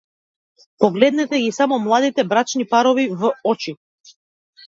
Погледнете ги само младите брачни парови в очи.